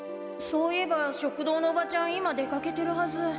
そういえば食堂のおばちゃん今出かけてるはず。